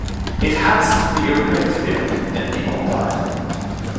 It has to be a great film, and be on time.